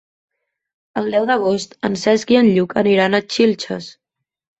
El deu d'agost en Cesc i en Lluc aniran a Xilxes.